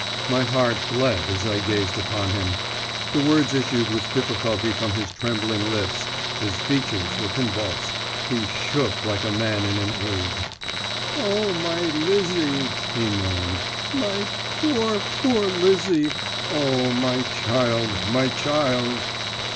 My heart bled as I gazed upon him. The words issued with difficulty from his trembling lips; his features were convulsed; he shook like a man in an ague. "O, my Lizzie!" he moaned. "My poor, poor Lizzie! O, my child, my child!"